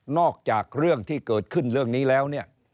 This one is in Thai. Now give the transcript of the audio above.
อกจากเรื่องที่เกิดขึ้นเรื่องนี้แล้วเนี่ย